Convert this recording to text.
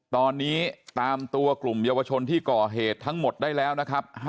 ตอนนี้ตามตัวกลุ่มเยาวชนที่ก่อเหตุทั้งหมดได้แล้วนะครับ